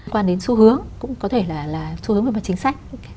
quan đến xu hướng cũng có thể là xu hướng về mặt chính sách